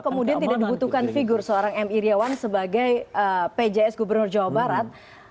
kemudian tidak dibutuhkan figur seorang m iryawan sebagai pjs gubernur jawa barat